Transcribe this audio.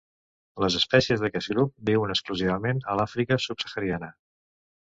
Les espècies d'aquest grup viuen exclusivament a l'Àfrica subsahariana.